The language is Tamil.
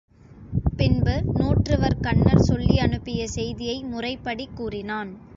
பின்பு நூற்றுவர் கன்னர் சொல்லி அனுப்பிய செய்தியை முறைப்படி கூறினான்.